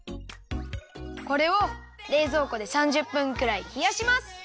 これをれいぞうこで３０分くらいひやします。